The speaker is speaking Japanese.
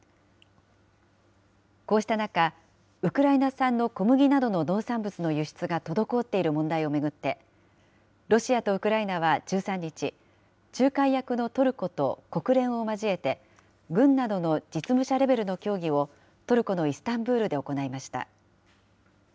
こうした中、ウクライナ産の小麦などの農産物の輸出が滞っている問題を巡って、ロシアとウクライナは１３日、仲介役のトルコと国連を交えて、軍などの実務者レベルの協議をトルコのイスタンブールで行いました。